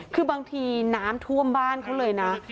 คือบางทีน้ำท่วมบ้านเขาเลยนะ